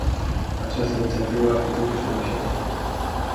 Această inițiativă ar fi totuși o rușine.